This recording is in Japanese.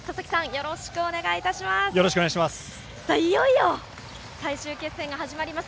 よろしくお願いします。